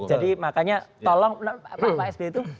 jadi makanya tolong pak asb itu